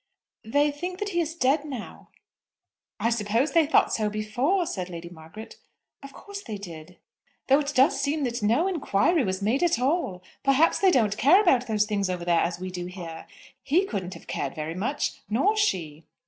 "They think that he is dead now." "I suppose they thought so before," said Lady Margaret. "Of course they did." "Though it does seem that no inquiry was made at all. Perhaps they don't care about those things over there as we do here. He couldn't have cared very much, nor she."